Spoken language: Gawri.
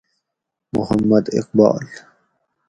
محمد اقبال